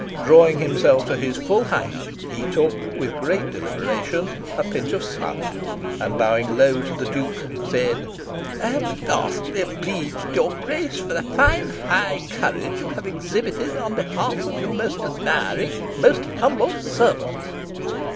Drawing himself to his full height, he took with great deliberation a pinch of snuff, and, bowing low to the Duke, said "I am vastly obleeged to your Grace for the fine high Courage you have exhibited in the behalf of your most Admiring, most Humble Servant."